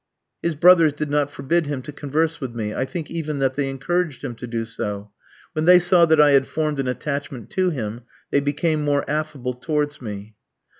His brothers did not forbid him to converse with me; I think even that they encouraged him to do so. When they saw that I had formed an attachment to him, they became more affable towards me.